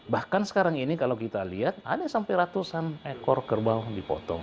bahkan sekarang ini kalau kita lihat ada sampai ratusan ekor kerbau dipotong